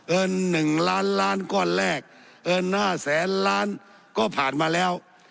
เอิญหนึ่งล้านล้านก็แลกเอิญห้าแสนล้านก็ผ่านมาแล้ว